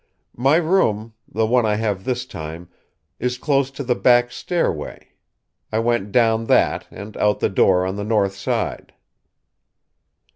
My room, the one I have this time, is close to the back stairway. I went down that, and out the door on the north side."